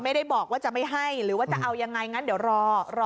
ไม่ได้บอกว่าจะไม่ให้หรือว่าจะเอายังไงงั้นเดี๋ยวรอ